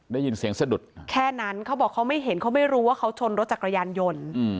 ได้ยินเสียงสะดุดแค่นั้นเขาบอกเขาไม่เห็นเขาไม่รู้ว่าเขาชนรถจักรยานยนต์